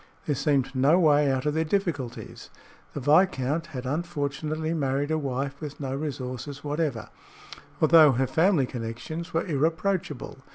There seemed no way out of their difficulties. The viscount had unfortunately married a wife with no resources whatever, although her family connections were irreproachable.